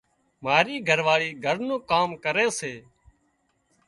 مارِي گھرواۯِي گھر نُون ڪام ڪري سي۔